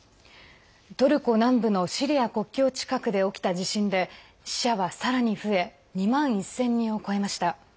トルコ南部のシリア国境近くで起きた地震で死者は、さらに増え２万１０００人を超えました。